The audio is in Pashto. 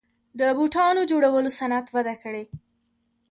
د بوټانو جوړولو صنعت وده کړې